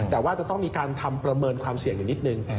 แต่ว่าจะต้องมีการทำประเมินความเสี่ยงอยู่นิดนึง